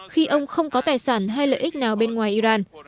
khi ông không có tài sản hay lợi ích nào bên ngoài iran